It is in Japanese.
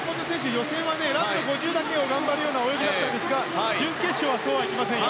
予選はラスト５０だけ頑張る泳ぎでしたが準決勝はそうはいきませんよ。